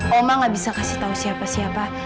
oma gak bisa kasih tahu siapa siapa